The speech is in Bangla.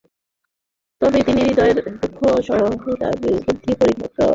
তবে তিনি হৃদয়ের দুঃসাহসিকতা, বুদ্ধির পরিপক্কতা ও দূরদৃষ্টিতে তাদের মাঝে বৈশিষ্ট্যময় ছিলেন।